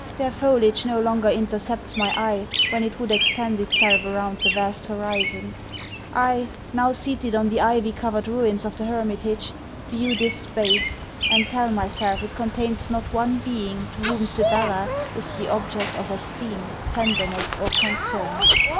Their foliage no longer intercepts my eye when it would extend itself around the vast horizon. I, now seated on the ivy covered ruins of the hermitage, view this space; and tell myself it contains not one being to whom Sibella is the object of esteem, tenderness, or concern.